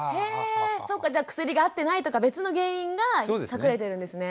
そっかじゃあ薬が合ってないとか別の原因が隠れてるんですね。